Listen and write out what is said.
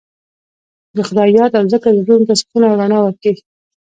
د خدای یاد او ذکر زړونو ته سکون او رڼا ورکوي.